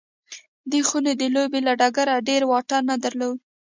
دې خونې د لوبې له ډګره ډېر واټن نه درلود